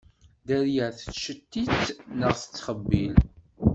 Dderrya tettcettit, neɣ tettxewwil.